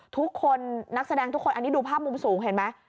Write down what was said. ทุกคนนักแสดงทุกคนอันนี้ดูภาพมุมสูงเห็นไหม